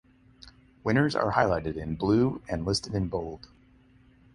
Winners are highlighted in blue and listed in bold.